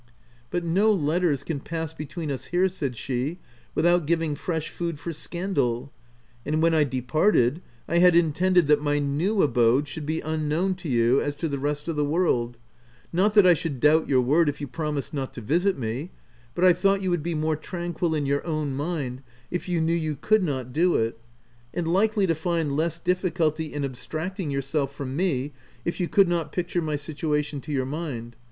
" But no letters can pass between us here," said she, "• without giving fresh food for scandal ; and when I departed, I had intended that my OF WILDFELL HALL. 14 new abode should be unknown to you as to the rest of the world ; not that I should doubt your word if you promised not to visit me, but I thought you would be more tranquil in your own mind if you knew you could not do it ; and likely to find less difficulty in abstracting yourself from me if you could not picture my situation to your mind.